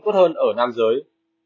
tốt hơn ở nam giới